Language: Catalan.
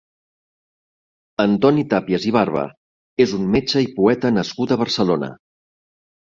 Antoni Tàpies i Barba és un metge i poeta nascut a Barcelona.